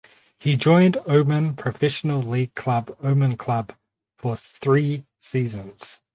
He joined Oman Professional League club Oman Club for three seasons.